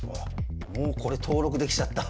もうこれ登録できちゃった。